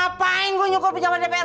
ngapain gue nyukur pinjaman dpr